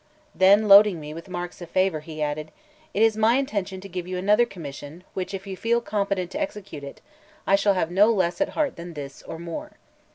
Then loading me with marks of favour, he added: "It is my intention to give you another commission, which, if you feel competent to execute it, I shall have no less at heart than this, or more."